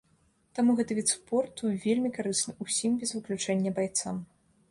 Таму гэты від спорту вельмі карысны ўсім без выключэння байцам.